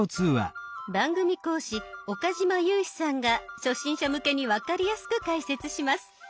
番組講師岡嶋裕史さんが初心者向けに分かりやすく解説します。